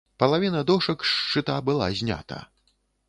Палавіна дошак з шчыта была знята.